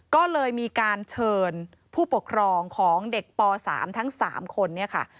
ก็เลยมีการเชิญผู้ปกครองของเด็กป๓ทั้ง๓คนเนี่ยค่ะ